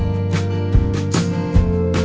ไม่รู้ทันหรือเปล่า